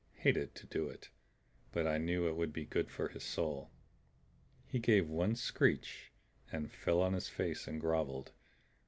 Hated to do it, but I knew it would be good for his soul. "He gave one screech and fell on his face and groveled.